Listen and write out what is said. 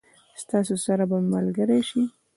ستاسو سره به ملګري شي.